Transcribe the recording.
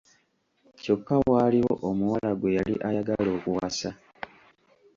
Kyokka waaliwo omuwala gwe yali ayagala okuwasa.